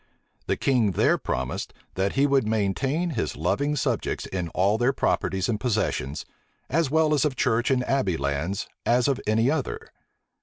The king there promised, that he would maintain his loving subjects in all their properties and possessions, as well of church and abbey lands as of any other.